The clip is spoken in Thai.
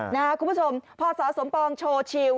นะครับคุณผู้ชมพ่อสอสมปองโชว์ชิล